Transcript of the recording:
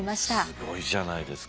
すごいじゃないですか。